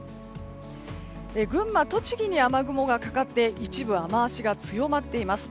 群馬、栃木に雨雲がかかって一部、雨脚が強まっています。